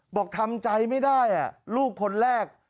บอกทำใจไม่ได้ลูกคนแรก